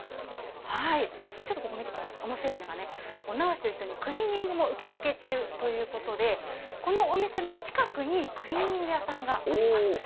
ちょっとここ見てください、おもしろいのはね、お直しと一緒にクリーニングも受け付け中ということで、このお店の近くに、クリーニング屋さんがあります。